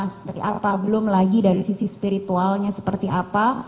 seperti apa belum lagi dari sisi spiritualnya seperti apa